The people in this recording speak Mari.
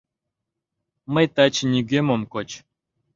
— Мый таче нигӧм ом коч.